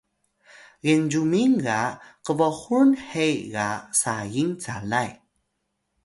Genzyumin ga kbhul hi ga saying calay